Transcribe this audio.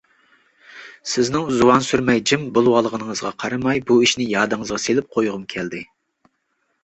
سىزنىڭ زۇۋان سۈرمەي جىم بولۇۋالغىنىڭىزغا قارىماي بۇ ئىشىنى يادىڭىزغا سېلىپ قويغۇم كەلدى.